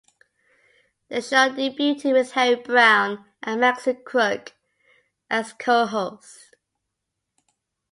The show debuted with Harry Brown and Maxine Crook as co-hosts.